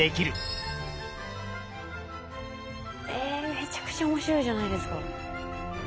めちゃくちゃ面白いじゃないですか。